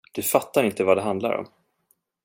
Du fattar inte vad det handlar om.